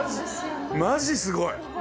マジすごい！